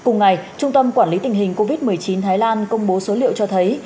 cùng ngày trung tâm quản lý tình hình covid một mươi chín thái lan công bố số liệu cho thấy